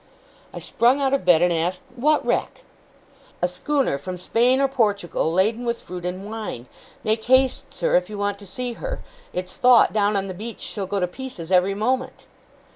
I sprung out of bed, and asked, what wreck? 'A schooner, from Spain or Portugal, laden with fruit and wine. Make haste, sir, if you want to see her! It's thought, down on the beach, she'll go to pieces every moment.